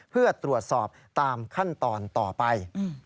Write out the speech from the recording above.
เพื่อตรวจสอบตามขั้นตอนต่อไป